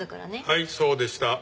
はいそうでした。